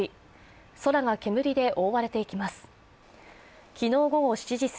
空が煙で覆われていきます。